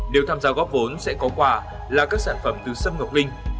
nếu tham gia góp vốn sẽ có quả là các sản phẩm từ sâm ngọc linh